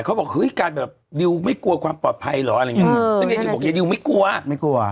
เขาบอกเฮ้ยกันแบบดิวไม่กลัวความปลอดภัยเหรออะไรอย่างงี้เออซึ่งเยดดิวบอกเยดดิวไม่กลัว